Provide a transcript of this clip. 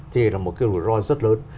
thì là một cái rủi ro rất lớn